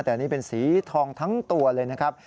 แต่นี่เป็นสีทองทั้งตัวเลยนะครับ